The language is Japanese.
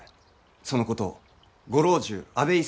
そのことをご老中阿部伊勢